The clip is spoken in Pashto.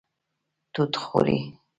توت خوري